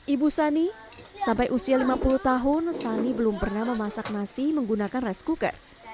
ibu sani sampai usia lima puluh tahun sani belum pernah memasak nasi menggunakan rice cooker